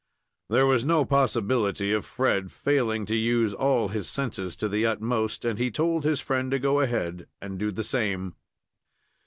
There was no possibility of Fred failing to use all his senses to the utmost, and he told his friend to go ahead and do the same.